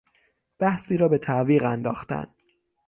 بحثی را به تعویق انداختن